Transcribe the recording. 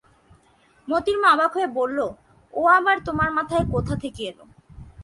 মোতির মা অবাক হয়ে বললে, ও আবার তোমার মাথায় কোথা থেকে এল?